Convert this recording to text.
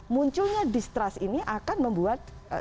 munculnya distrust ini akan membuat